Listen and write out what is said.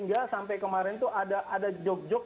hingga sampai kemarin tuh ada jog jog